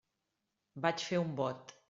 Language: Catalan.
Vaig fer un bot.